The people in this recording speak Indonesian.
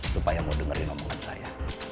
supaya mau dengerin omongan saya